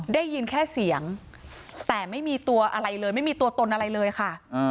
ได้ยินแค่เสียงแต่ไม่มีตัวอะไรเลยไม่มีตัวตนอะไรเลยค่ะ